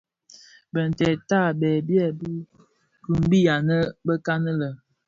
Bintèd tabèè byèbi kimbi anë bekan lè.